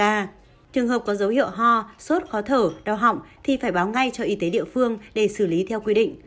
trường hợp có dấu hiệu ho sốt khó thở đau họng thì phải báo ngay cho y tế địa phương để xử lý theo quy định